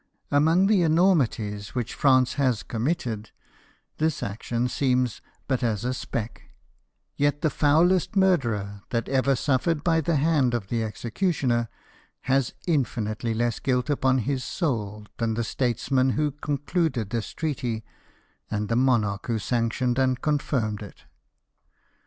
Among the enormities which France has committed, this action seems but as a speck ; yet the foullest murderer that ever suffered by the hand of the executioner has infinitely less guilt upon his soul than the statesman who concluded GENERAL PAOLI, 65 this treaty, and the monarch who sanctioned and confirmed it.